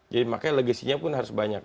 jadi makanya legasinya pun harus banyak